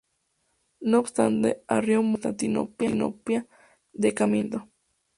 No obstante, Arrio murió en Constantinopla de camino a este evento.